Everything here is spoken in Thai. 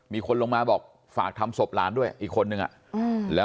มีคนลงมาบอกฝากทำศพหลานด้วยอีกคนนึงแล้ว